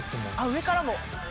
上からも！